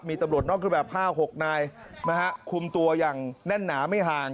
มีตำรวจนอกแบบ๕๖นายนะครับคุมตัวยังแน่นหนาไม่ห่าง